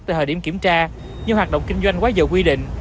từ thời điểm kiểm tra như hoạt động kinh doanh quá dở quy định